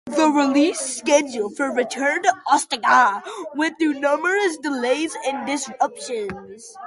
The release schedule for "Return to Ostagar" went through numerous delays and disruptions.